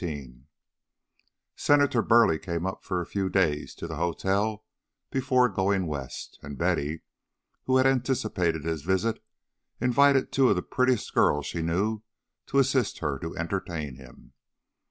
XIX Senator Burleigh came up for a few days to the hotel before going West, and Betty, who had anticipated his visit, invited two of the prettiest girls she knew to assist her to entertain him.